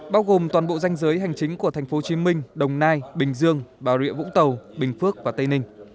bao gồm toàn bộ danh giới hành chính của thành phố hồ chí minh đồng nai bình dương bà rịa vũng tàu bình phước và tây ninh